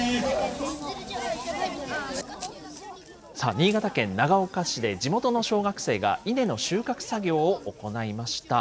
新潟県長岡市で、地元の小学生が稲の収穫作業を行いました。